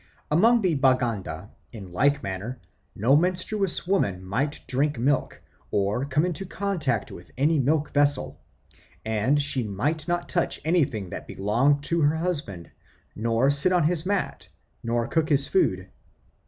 Among the Baganda, in like manner, no menstruous woman might drink milk or come into contact with any milk vessel; and she might not touch anything that belonged to her husband, nor sit on his mat, nor cook his food.